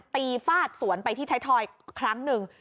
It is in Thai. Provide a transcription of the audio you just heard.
ฟาดสวนไปที่ไทยทอยครั้งหนึ่ง